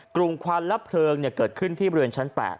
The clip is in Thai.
ควันและเพลิงเกิดขึ้นที่บริเวณชั้น๘